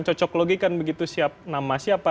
cocok logik kan begitu siapa